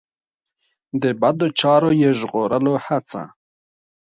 د بدو چارو یې ژغورلو هڅه.